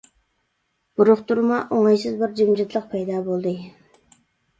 بۇرۇقتۇرما، ئوڭايسىز بىر جىمجىتلىق پەيدا بولدى.